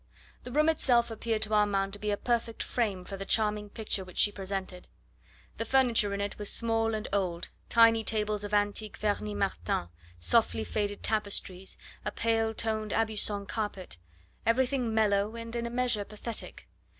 The room itself appeared to Armand to be a perfect frame for the charming picture which she presented. The furniture in it was small and old; tiny tables of antique Vernis Martin, softly faded tapestries, a pale toned Aubusson carpet. Everything mellow and in a measure pathetic.